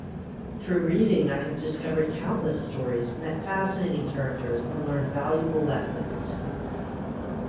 Through reading, I have discovered countless stories, met fascinating characters, and learned valuable lessons.